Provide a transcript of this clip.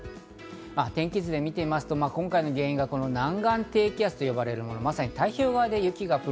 天気図で見てみますと、今回の原因が南岸低気圧、まさに太平洋側で雪が降る。